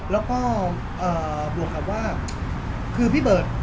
แล้วก็บวกกับว่าคือพี่เบิร์ต